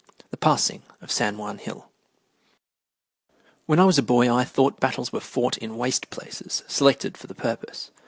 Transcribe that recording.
IV THE PASSING OF SAN JUAN HILL When I was a boy I thought battles were fought in waste places selected for the purpose.